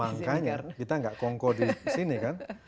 makanya kita gak kongko di sini kan